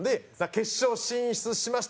決勝進出しました！